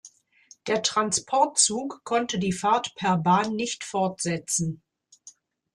Der Transportzug konnte die Fahrt per Bahn nicht fortsetzen.